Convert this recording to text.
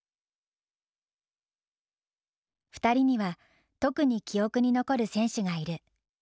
２人には特に記憶に残る選手がいる。